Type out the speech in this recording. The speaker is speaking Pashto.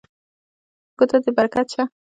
په ګوتو دې برکت شه